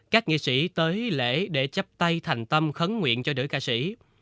các nghệ sĩ tới lễ để chấp tay thành tâm khấn nguyện cho nữ ca sĩ